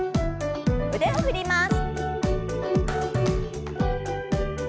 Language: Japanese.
腕を振ります。